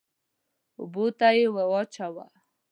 اوبو ته يې واچوه.